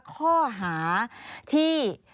ข้อหาที่